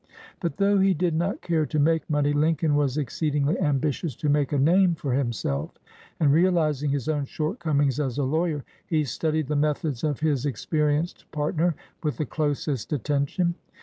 But though he did not care to make money, Lincoln was exceed ingly ambitious to make a name for himself ; and realizing his own shortcomings as a lawyer, he studied the methods of his experienced partner with the closest attention.